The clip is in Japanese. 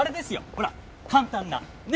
ほら簡単なね！